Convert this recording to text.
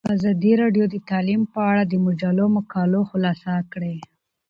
ازادي راډیو د تعلیم په اړه د مجلو مقالو خلاصه کړې.